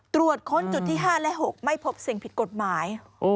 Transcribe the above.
ตรวจค้นจุดที่๕และ๖ไม่พบสิ่งผิดกฎหมาย